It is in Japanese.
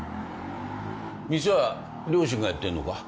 店は両親がやってんのか？